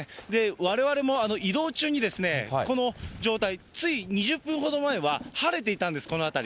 われわれも移動中にこの状態、つい２０分ほど前は晴れていたんです、この辺り。